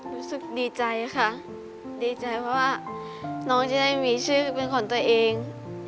รู้สึกดีใจค่ะดีใจเพราะว่าน้องจะได้มีชื่อเป็นของตัวเอง